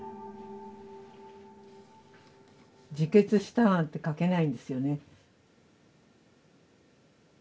自決したなんて書けないんですよね。